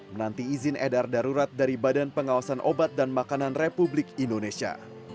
menanti izin edar darurat dari badan pengawasan obat dan makanan republik indonesia